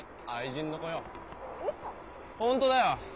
本当だよ。